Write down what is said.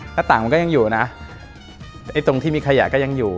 หน้าต่างมันก็ยังอยู่นะไอ้ตรงที่มีขยะก็ยังอยู่